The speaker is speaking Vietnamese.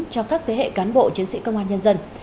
cho các thế hệ cán bộ chiến sĩ công an nhân dân